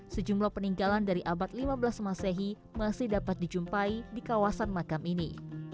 sejumlah peninggalan dari abad lima belas masehi masih dapat dijumpai di kawasan makam ini